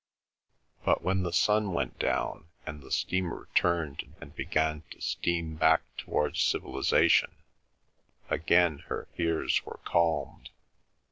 But when the sun went down and the steamer turned and began to steam back towards civilisation, again her fears were calmed.